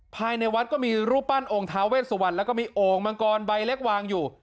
ภายในวัดมีรูปปั้นองค์ท้าเวทสวรรค์และโองมังกรใบเล็กวางอยู่